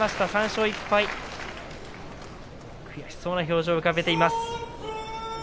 ３勝１敗悔しそうな表情を浮かべています。